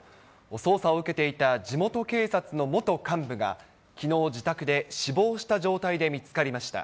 捜査を受けていた地元警察の元幹部が、きのう、自宅で死亡した状態で見つかりました。